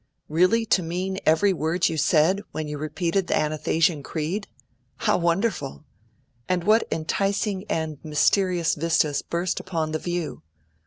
Really to mean every word you said, when you repeated the Athanasian Creed! How wonderful! And what enticing and mysterious vistas burst upon the view!